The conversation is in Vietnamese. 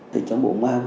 trong bộ công an